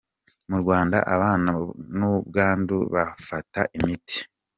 Mu Rwanda ababana n’ubwandu bafata imiti